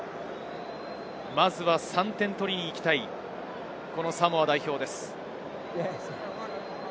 まずは３点取りに行きたい、サモア代表です。